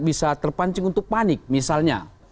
bisa terpancing untuk panik misalnya